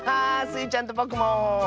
スイちゃんとぼくも。